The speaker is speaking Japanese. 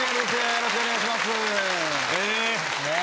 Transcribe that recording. よろしくお願いしますねえ